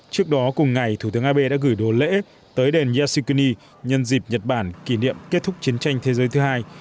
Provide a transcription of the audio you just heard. trước đó cùng ngày thủ tướng abe đã gửi đồ lễ tới đền iyashikuni nhân dịp nhật bản kỷ niệm kết thúc chiến tranh thế giới thứ hai